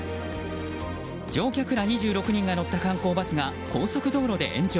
乗客ら２６人が乗った観光バスが高速道路で炎上。